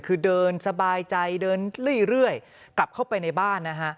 คือเดินสบายใจเดินเรื่อยกลับเข้าไปในบ้านนะฮะ